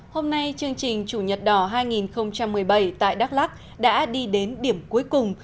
hôm nay chương trình chủ nhật đỏ hai nghìn một mươi bảy tại đắk lắc đã đi đến điểm cuối cùng